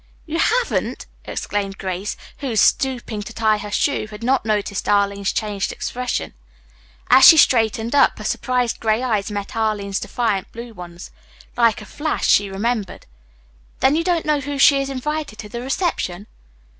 "You haven't!" exclaimed Grace, who, stooping to tie her shoe, had not noticed Arline's changed expression. As she straightened up her surprised gray eyes met Arline's defiant blue ones. Like a flash she remembered. "Then you don't know who she has invited to the reception?"